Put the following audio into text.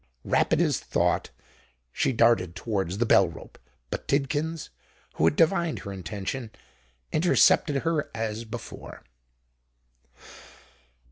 Rapid as thought, she darted towards the bell rope: but Tidkins, who had divined her intention, intercepted her as before.